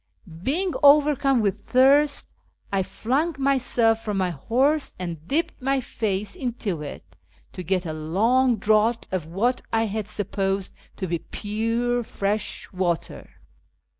Being overcome with thirst, I flung myself from my horse and dipped my face into it to get a long draught of what I sup posed to be pure fresh water.